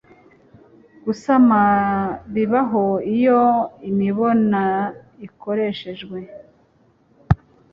gusama bibaho iyo imibona ikoreshejwe